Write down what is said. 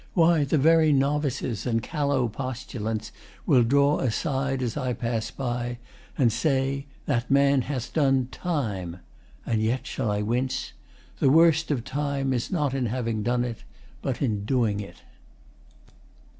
Why, the very Novices And callow Postulants will draw aside As I pass by, and say 'That man hath done Time!' And yet shall I wince? The worst of Time Is not in having done it, but in doing 't.